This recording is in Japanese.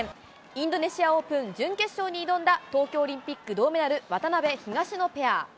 インドネシアオープン準決勝に挑んだ、東京オリンピック銅メダル、渡辺・東野ペア。